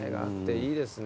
いいですね。